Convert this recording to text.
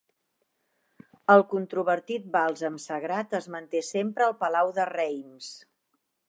El controvertit bàlsam sagrat es manté sempre al palau de Reims.